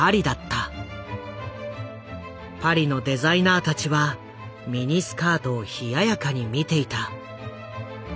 パリのデザイナーたちはミニスカートを冷ややかに見ていた。